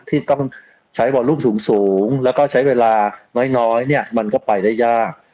ที่ต้องใช้บอลรูปสูงแล้วก็ใช้เวลาน้อยเนี่ยมันก็ไปได้ยาก